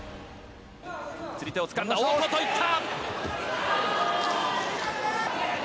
釣り手をつかんだ大外、行った！